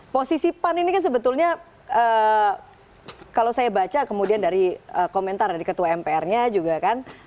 posisi pan ini kan sebetulnya kalau saya baca kemudian dari komentar dari ketua mpr nya juga kan